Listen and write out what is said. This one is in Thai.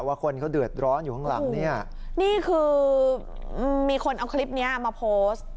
ว่าคนเขาเดือดร้อนอยู่ข้างหลังเนี่ยนี่คือมีคนเอาคลิปเนี้ยมาโพสต์